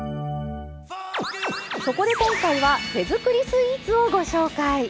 そこで今回は手づくりスイーツをご紹介！